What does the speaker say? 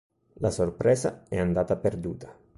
La sorpresa è andata perduta.